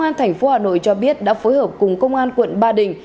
và thành phố hà nội cho biết đã phối hợp cùng công an quận ba đình